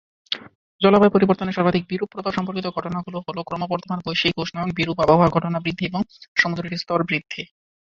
জলবায়ু পরিবর্তনের সর্বাধিক বিরূপ প্রভাব সম্পর্কিত ঘটনাগুলো হলো ক্রমবর্ধমান বৈশ্বিক উষ্ণায়ন, বিরূপ আবহাওয়ার ঘটনা বৃদ্ধি এবং সমুদ্রের স্তর বৃদ্ধি।